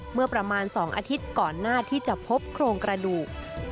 เมื่อประมาณ๒อาทิตย์ก่อนหน้าที่จะพบโครงกระดูก